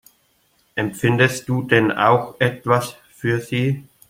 Empfindest du denn auch etwas für sie?